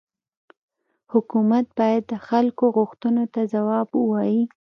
حکومت باید د خلکو غوښتنو ته جواب ووايي.